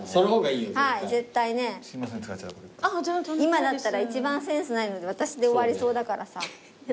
今だったら一番センスないの私で終わりそうだからさ。